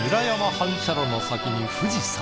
反射炉の先に富士山。